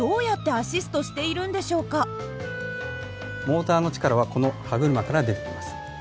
モーターの力はこの歯車から出てきます。